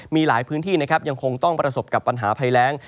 มีหลายพื้นที่นะครับยังคงต้องประสบกับปัญหาภัยแรง